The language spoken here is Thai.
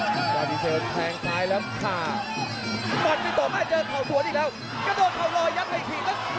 เจ้าดีเซลแทงล้ายแล้วถ้ามันมีตรงให้เจอเขราหัวอีกแล้วกระโดดเขารอยยักษ์อะไรขึ้น